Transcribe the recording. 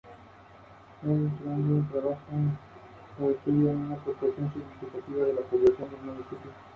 Aunque, por supuesto, eran grandes, gordas y feas.